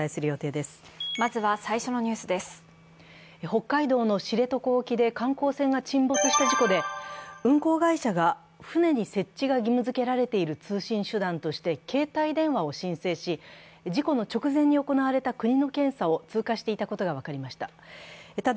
北海道の知床沖で観光船が沈没した事故で運航会社が船に設置が義務づけられている通信手段として携帯電話を申請し、事故の直前に行われた国の検査を通過していたことが分かりました。